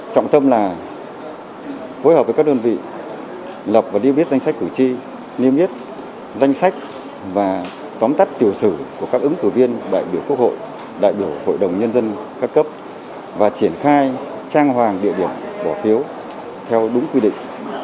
trọng tâm là phối hợp với các đơn vị lập và đi viết danh sách cử tri niêm yết danh sách và tóm tắt tiểu sử của các ứng cử viên đại biểu quốc hội đại biểu hội đồng nhân dân các cấp và triển khai trang hoàng địa điểm cổ phiếu theo đúng quy định